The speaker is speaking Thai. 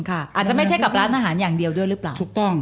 อาจจะไม่ใช่กับร้านอาหารอย่างเดียวด้วยหรือเปล่าถูกต้อง